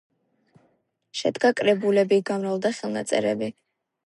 შედგა კრებულები, გამრავლდა ხელნაწერები.